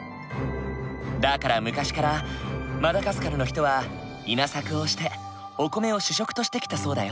だから昔からマダガスカルの人は稲作をしてお米を主食としてきたそうだよ。